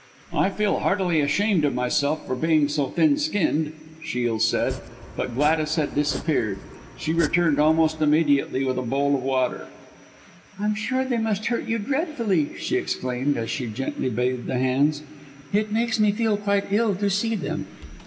"I feel heartily ashamed of myself for being so thin skinned," Shiel said. But Gladys had disappeared. She returned almost immediately with a bowl of water. "I'm sure they must hurt you dreadfully," she exclaimed, as she gently bathed the hands. "It makes me feel quite ill to see them."